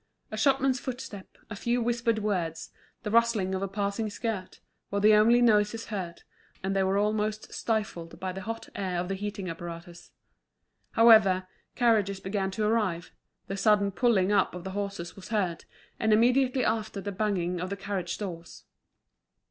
A shopman's footstep, a few whispered words, the rustling of a passing skirt, were the only noises heard, and they were almost stifled by the hot air of the heating apparatus. However, carriages began to arrive, the sudden pulling up of the horses was heard, and immediately after the banging of the carriage doors.